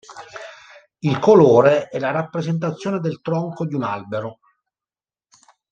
Il colore è la rappresentazione del tronco di un albero.